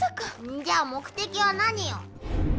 んじゃ目的は何よ？